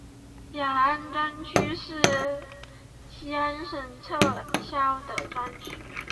雅安专区是四川省已撤销的专区。